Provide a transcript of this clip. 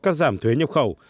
các giảm thuế nhập khẩu